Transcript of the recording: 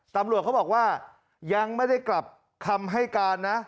ตำรวจเขาบอกว่ายังไม่ได้กลับคำให้การนะ